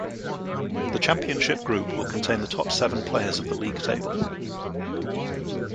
The championship group will contain the top seven players of the league table.